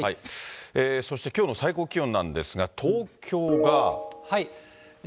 そしてきょうの最高気温なんですが、東京が。